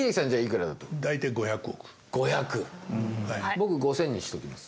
僕５０００にしときます。